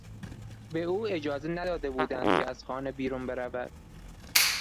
به او اجازه نداده بودند که از خانه بیرون برود.